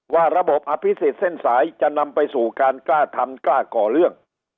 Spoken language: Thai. ว่าระบบอภิษฎเส้นสายจะนำไปสู่การกล้าทำกล้าก่อเรื่อง